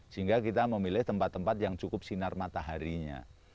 sehingga kita memilih tempat tempat yang cukup sinar mataharinya